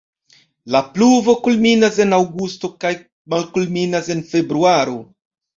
La pluvo kulminas en aŭgusto kaj malkulminas en februaro.